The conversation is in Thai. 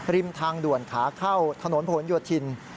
ริมทางด่วนขาเข้าถนนผลโยธิน